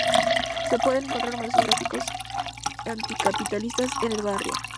Se pueden encontrar numerosos grafitis anticapitalistas en el barrio.